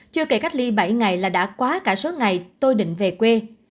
chưa kể cách ly bảy ngày là đã quá cả số ngày tôi định về quê